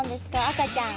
赤ちゃん。